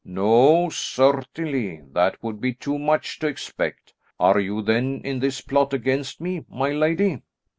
"No. Certainly that would be too much to expect. Are you then in this plot against me, my lady?"